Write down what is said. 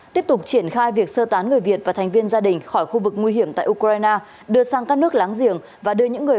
tiếp tục triển khai việc sơ tán người việt và thành viên gia đình khỏi khu vực nguy hiểm tại ukraine đưa sang các nước láng giềng và đưa những người